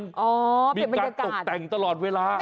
อ๋อเป็นบรรยากาศมีการตกแต่งตลอดเวลา